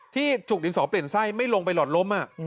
ฉุกดินสอเปลี่ยนไส้ไม่ลงไปหลอดล้ม